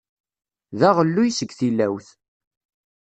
D aɣelluy seg tilawt.